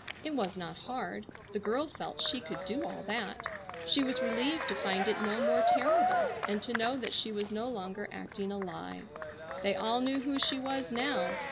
It was not hard. The girl felt she could do all that. She was relieved to find it no more terrible, and to know that she was no longer acting a lie. They all knew who she was now.